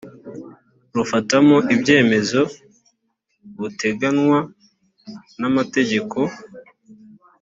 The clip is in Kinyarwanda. rufatamo ibyemezo buteganywa n amategeko